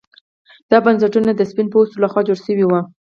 دا بنسټونه د سپین پوستو لخوا جوړ شوي وو.